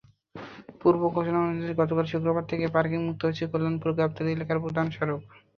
পূর্ব ঘোষণা অনুযায়ী গতকাল শুক্রবার থেকে পার্কিং মুক্ত হয়েছে কল্যাণপুর-গাবতলী এলাকার প্রধান সড়ক।